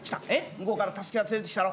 向こうから太助が連れてきたろ。